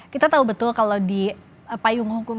kita tahu betul kalau di payung hukum